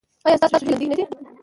ایا ستاسو هیلې ژوندۍ نه دي؟